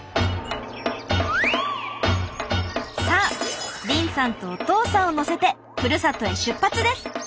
さあ凜さんとお父さんを乗せてふるさとへ出発です。